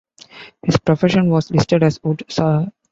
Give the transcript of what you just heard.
His profession was listed as wood sawyer.